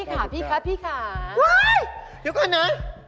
เฮ้ยเดี๋ยวก่อนนะ